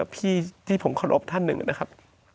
พี่ที่ผมขอบถ้าหนึ่งนะครับ